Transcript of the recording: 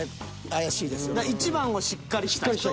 １番をしっかりした人。